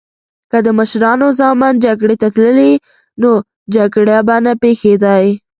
که د مشرانو ځامن جګړی ته تللی نو جګړې به نه پیښیدی